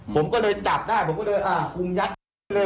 ผมก็เลยจับได้ผมก็เลยอ่ามึงยัดไปเลย